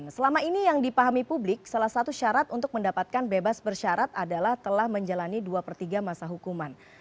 selama ini yang dipahami publik salah satu syarat untuk mendapatkan bebas bersyarat adalah telah menjalani dua per tiga masa hukuman